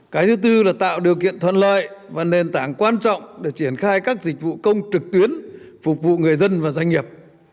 cái thứ tư là tạo điều kiện thuận lợi và nền tảng quan trọng để triển khai các dịch vụ công trực tuyến phục vụ người dân và doanh nghiệp